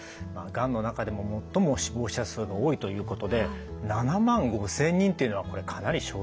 がんの中でも最も死亡者数が多いということで７万５，０００人というのはこれかなり衝撃的な数ですね。